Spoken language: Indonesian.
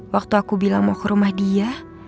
waktu aku bilang mau ke rumah dia